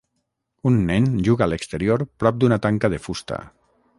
Un nen juga a l'exterior prop d'una tanca de fusta.